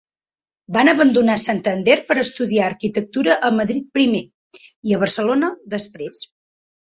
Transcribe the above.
Va abandonar Santander per estudiar arquitectura a Madrid, primer, i a Barcelona, després.